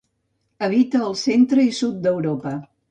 Habita al centre i sud d'Europa.